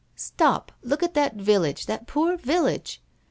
"Stop, look at that village, that poor village!